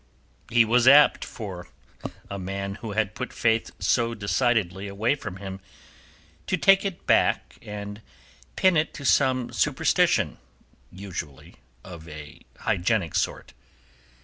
He was apt, for a man who had put faith so decidedly away from him, to take it back and pin it to some superstition, usually of a hygienic sort.